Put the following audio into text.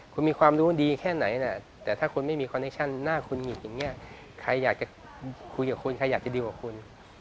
คุณมีความรู้ดีแค่ไหนนะแต่ถ้าคุณไม่มีคอนเคชั่นหน้าคุณหงิดอย่างนี้ใครอยากจะคุยกับคุณใครอยากจะดีกว่าคุณ